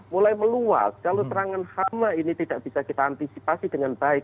mulai meluas kalau serangan hama ini tidak bisa kita antisipasi dengan baik